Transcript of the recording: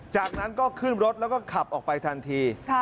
จากนั้นก็ขึ้นรถแล้วก็ขับออกไปทันที